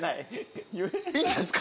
いいんですか？